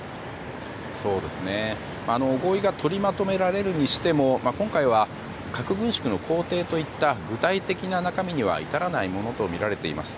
合意が取りまとめられるにしても今回は核軍縮の行程といった具体的な中身には至らないものとみられています。